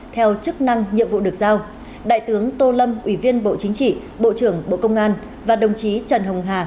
theo chức năng nhiệm vụ được giao đại tướng tô lâm ủy viên bộ chính trị bộ trưởng bộ công an và đồng chí trần hồng hà